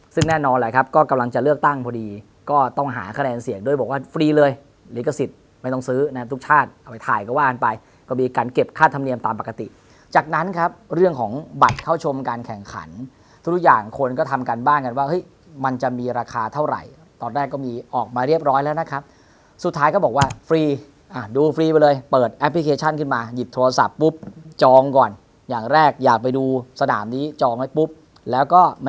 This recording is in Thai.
ซึ่งแน่นอนแหละครับก็กำลังจะเลือกตั้งพอดีก็ต้องหาคะแนนเสียงด้วยบอกว่าฟรีเลยลิขสิทธิ์ไม่ต้องซื้อนะทุกชาติเอาไปถ่ายก็ว่านไปก็มีการเก็บค่าธรรมเนียมตามปกติจากนั้นครับเรื่องของบัตรเข้าชมการแข่งขันทุกอย่างคนก็ทำกันบ้างกันว่าเฮ้ยมันจะมีราคาเท่าไหร่ตอนแรกก็มีออกมาเร